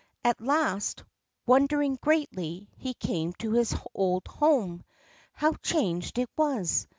At last, wondering greatly, he came to his old home. How changed it was